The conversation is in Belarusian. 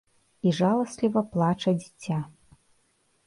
І жаласліва плача дзіця.